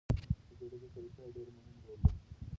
د جوړېدو طریقه یې ډېر مهم رول لري.